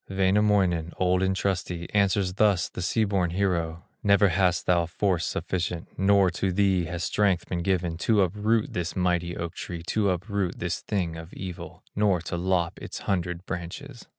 Wainamoinen, old and trusty, Answers thus the sea born hero: "Never hast thou force sufficient, Not to thee has strength been given, To uproot this mighty oak tree, To upset this thing of evil, Nor to lop its hundred branches."